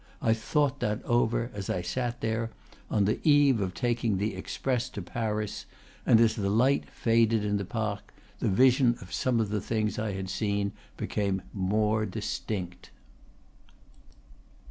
I thought that over, as I sat there, on the eve of taking the express to Paris; and as the light faded in the Parc the vision of some of the things I had seen became more distinct.